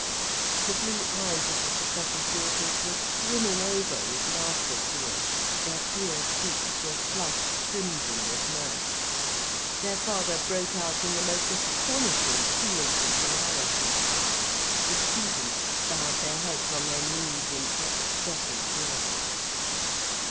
The blue eyes of the Professor's daughters were swimming over with laughter tears, their clear cheeks were flushed crimson with mirth, their father broke out in the most astonishing peals of hilarity, the students bowed their heads on their knees in excess of joy.